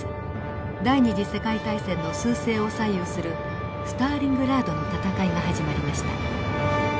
第二次世界大戦の趨勢を左右するスターリングラードの戦いが始まりました。